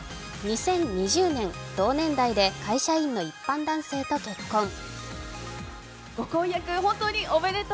２０２０年、同年代で会社員の一般男性と結婚。